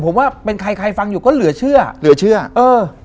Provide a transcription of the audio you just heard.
ผมว่าเป็นใครใครฟังอยู่ก็เหลือเชื่อเหลือเชื่อเออ